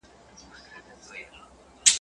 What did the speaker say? د تيارې غم په رڼاکي خوره.